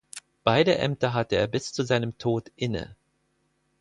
Beide Ämter hatte er bis zu seinem Tod inne.